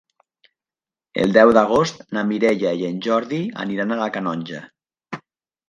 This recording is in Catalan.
El deu d'agost na Mireia i en Jordi aniran a la Canonja.